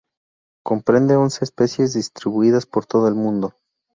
Comprende once especies distribuidas por todo el mundo.